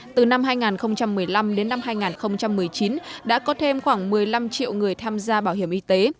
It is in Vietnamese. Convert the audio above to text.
từ năm hai nghìn một mươi năm đến năm hai nghìn một mươi chín đã có thêm khoảng một mươi năm triệu người tham gia bảo hiểm y tế